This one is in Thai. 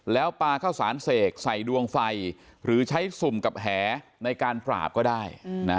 แล้วปลาข้าวสารเสกใส่ดวงไฟหรือใช้สุ่มกับแหในการปราบก็ได้